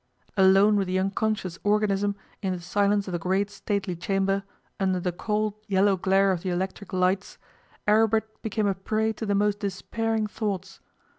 Alone with the unconscious organism in the silence of the great stately chamber, under the cold yellow glare of the electric lights, Aribert became a prey to the most despairing thoughts.